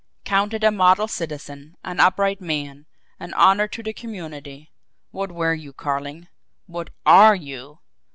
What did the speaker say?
Counted a model citizen, an upright man, an honour to the community what were you, Carling? What ARE you?